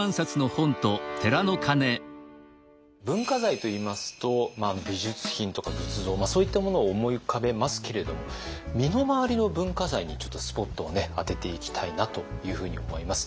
文化財といいますと美術品とか仏像そういったものを思い浮かべますけれども身の回りの文化財にちょっとスポットを当てていきたいなというふうに思います。